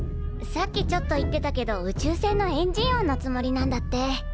さっきちょっと言ってたけど宇宙船のエンジン音のつもりなんだって。